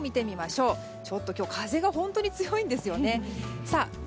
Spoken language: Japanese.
ちょっと風が本当に強いんですよね。